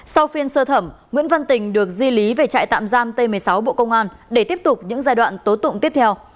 sau phiên sơ thẩm nguyễn văn tình được di lý về trại tạm giam t một mươi sáu bộ công an để tiếp tục những giai đoạn tố tụng tiếp theo